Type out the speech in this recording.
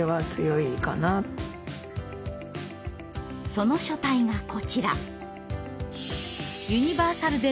その書体がこちら。